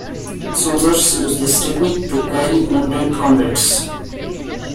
Soldiers use this technique to carry wounded comrades.